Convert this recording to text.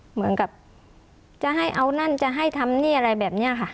เหมือนกับจะให้เอานั่นจะให้ทำนี่อะไรแบบนี้ค่ะ